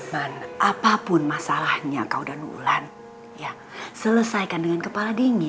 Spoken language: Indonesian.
ban apapun masalahnya kau dan wulan ya selesaikan dengan kepala dingin